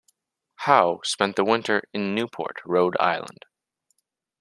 Howe spent the winter in Newport, Rhode Island.